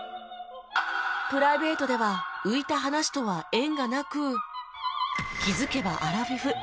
プライベートでは浮いた話とは縁がなく気付けばアラフィフ